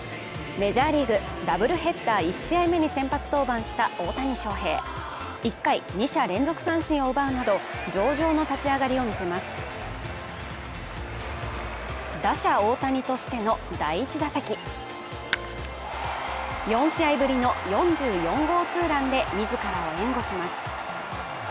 メジャーリーグダブルヘッダー１試合目に先発登板した大谷翔平１回２者連続三振を奪うなど上々の立ち上がりを見せます打者大谷としての第１打席４試合ぶりの４４号ツーランで自らを援護します